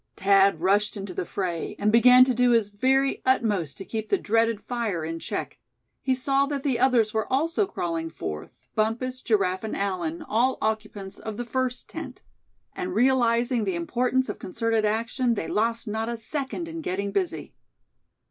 Thad rushed into the fray, and began to do his very utmost to keep the dreaded fire in check. He saw that the others were also crawling forth, Bumpus, Giraffe and Allan, all occupants of the first tent. And realizing the importance of concerted action, they lost not a second in getting busy.